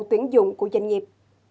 tuyển dụng của doanh nghiệp